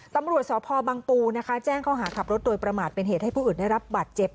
ตำรวจสพบังปูนะคะแจ้งเขาหาขับรถโดยประมาทเป็นเหตุให้ผู้อื่นได้รับบาดเจ็บ